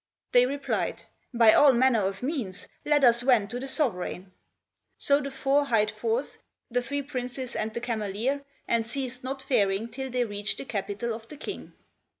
They replied, "By all manner of means; let us wend to the sovereign." So the four hied forth, the three princes and the Cameleer, and ceased not faring till they reached the capital of the King.